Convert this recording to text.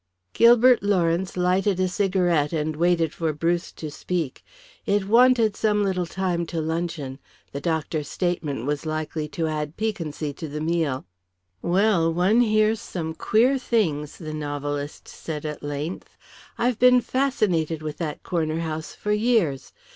Gilbert Lawrence lighted a cigarette and waited for Bruce to speak. It wanted some little time to luncheon. The doctor's statement was likely to add piquancy to the meal. "Well, one hears some queer things," the novelist said at length. "I've been fascinated with that corner house for years.